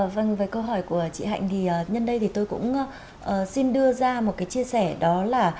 vâng với câu hỏi của chị hạnh thì nhân đây thì tôi cũng xin đưa ra một cái chia sẻ đó là